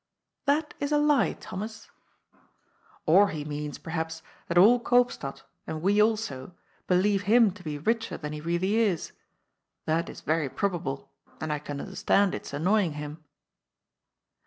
" That is a lie, Thomas." '^ Or he means, perhaps, that all Koopstad, and we also, believe him to be richer than he really is. That is very probable, and I can understand its annoying him."